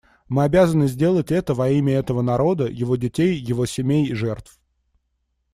Мы обязаны сделать это во имя этого народа, его детей, его семей и жертв.